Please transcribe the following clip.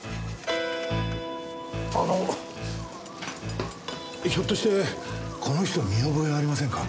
あのひょっとしてこの人見覚えありませんか？